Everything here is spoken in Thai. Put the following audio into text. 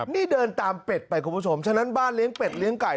นี่เดินตามเป็ดไปคุณผู้ชมฉะนั้นบ้านเลี้ยงเป็ดเลี้ยงไก่